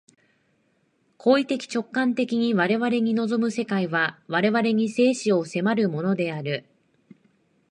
行為的直観的に我々に臨む世界は、我々に生死を迫るものである。